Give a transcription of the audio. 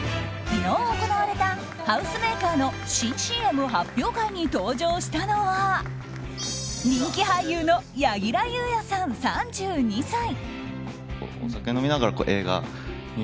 昨日行われたハウスメーカーの新ＣＭ発表会に登場したのは人気俳優の柳楽優弥さん、３２歳。